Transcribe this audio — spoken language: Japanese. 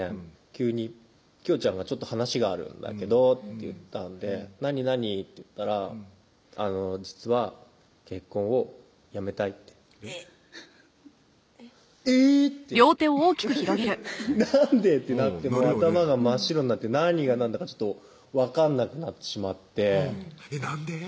急にきよちゃんが「ちょっと話があるんだけど」って言ったんで「何？何？」って言ったら「実は結婚をやめたい」ってえっえぇ？ってなんで？ってなって頭が真っ白になって何が何だか分かんなくなってしまってなんで？